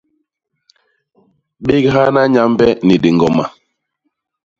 Béghana Nyambe ni diñgoma.